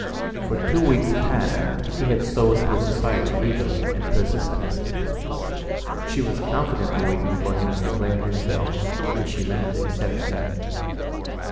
For two weeks past he had sought her society eagerly and persistently. She was confidently waiting for him to declare himself and she meant to accept him.